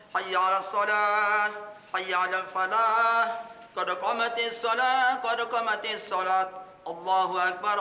khairan sholat khairan falah kode kompetensi sholat kode kompetensi sholat allahu akbar